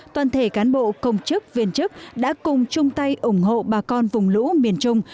toàn thể cán bộ công chức viên chức đã cùng chung tay ủng hộ bà con vùng lũ miền trung